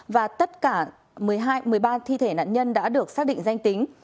và tất cả một mươi hai một mươi ba thi thể nạn nhân đã được xác định danh tính